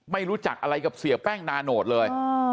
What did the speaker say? ไม่รู้จักอะไรกับเสียแป้งนาโนตเลย